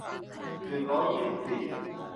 หนึ่งร้อยยี่สิบสี่